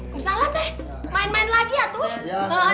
eh kumsalam deh main main lagi ya tuh